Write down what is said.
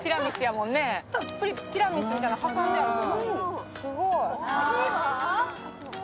たっぷりティラミスみたいなの挟んであって。